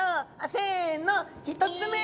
せの１つ目。